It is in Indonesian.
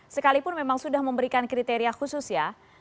sekalipun memang sudah memberikan kriteria khusus ya